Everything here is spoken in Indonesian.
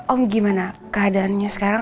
om gimana keadaannya sekarang